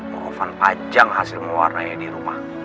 mau ovan pajang hasil mewarnai di rumah